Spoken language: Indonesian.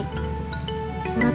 suratku selamat ya